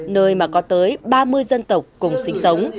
nơi mà có tới ba mươi dân tộc cùng sinh sống